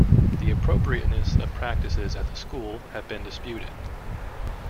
The appropriateness of practices at the school have been disputed.